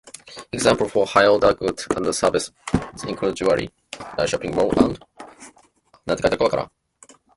Examples for high order goods and services include jewelry, large shopping malls and arcades.